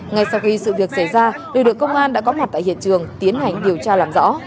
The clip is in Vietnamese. ngay sau khi sự việc xảy ra lực lượng công an đã có mặt tại hiện trường tiến hành điều tra làm rõ